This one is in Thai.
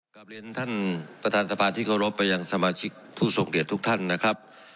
กลับเรียนท่านประธานสภาที่เคารพไปยังสมาชิกผู้ทรงเดชทุกท่านนะครับ